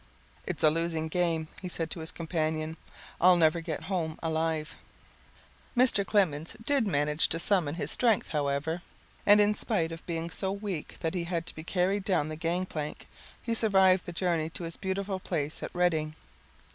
"It's a losing game," he said to his companion. "I'll never get home alive." Mr. Clemens did manage to summon his strength, however, and in spite of being so weak that he had to be carried down the gangplank he survived the journey to his beautiful place at Redding.